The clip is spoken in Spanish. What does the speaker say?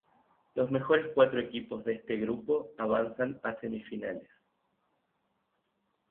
Los mejores cuatro equipos de este grupo avanzan a semifinales.